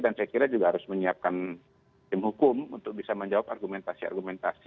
dan saya kira juga harus menyiapkan tim hukum untuk bisa menjawab argumentasi argumentasi